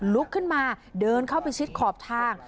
ลุกขึ้นมาเดินเข้าไปชิดขอบทาง